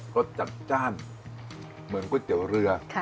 สจัดจ้านเหมือนก๋วยเตี๋ยวเรือ